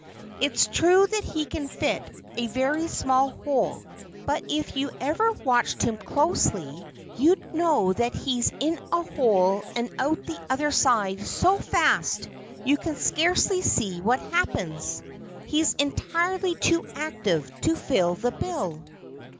It's true that he can fit a very small hole. But if you'd ever watched him closely you'd know that he's in a hole and out the other side so fast you can scarcely see what happens. He's entirely too active to fill the bill."